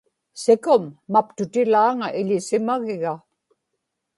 sikum maptutilaaŋa iḷisimagiga